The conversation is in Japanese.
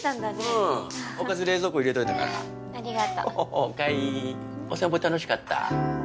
うんおかず冷蔵庫入れといたからありがとうおおっ海お散歩楽しかった？